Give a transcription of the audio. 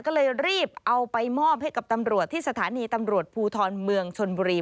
ก็เลยรีบเอาไปมอบให้กับตำรวจที่สถานีตำรวจภูทรเมืองชนบุรี